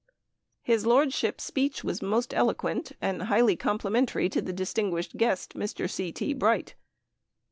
His lordship's speech was most eloquent, and highly complimentary to the distinguished guest, Mr. C. T. Bright.